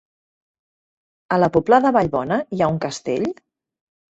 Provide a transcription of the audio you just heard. A la Pobla de Vallbona hi ha un castell?